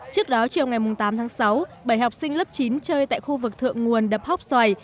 trước đó chiều ngày tám tháng sáu bảy học sinh lớp chín chơi tại khu vực thượng nguồn đập hóc xoài